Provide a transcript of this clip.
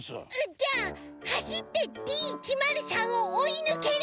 じゃあはしってＤ１０３をおいぬける？